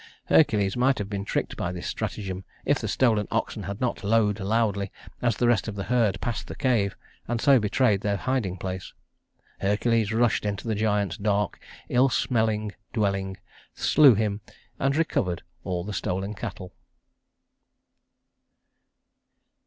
Hercules might have been tricked by this stratagem if the stolen oxen had not lowed loudly as the rest of the herd passed the cave, and so betrayed their hiding place. Hercules rushed into the giant's dark, ill smelling dwelling, slew him, and recovered all the stolen cattle.